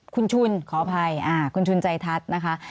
คุณชุนขออภัยคุณชุนใจทัศน์นะคะ